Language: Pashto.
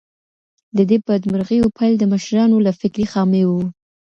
د دې بدمرغيو پیل د مشرانو له فکري خامیو و.